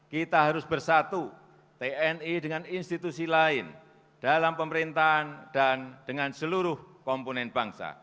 kita harus bersatu tni dengan institusi lain dalam pemerintahan dan dengan seluruh komponen bangsa